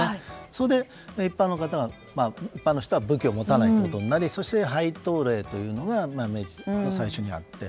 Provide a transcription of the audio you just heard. そこで一般の人は武器を持たないということになりそして、廃刀令というのが明治の最初にあって。